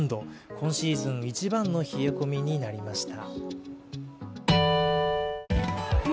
今シーズン一番の冷え込みになりました。